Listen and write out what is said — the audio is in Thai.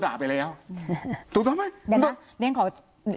เพราะว่ามันโดนด่าไปแล้วนะถูกต้องไหม